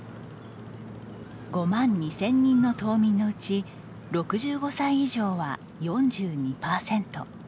５万２０００人の島民のうち６５歳以上は４２％。